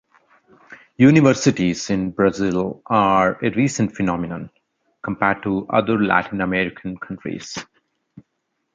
Universities in Brazil are a recent phenomenon, compared to other Latin American countries.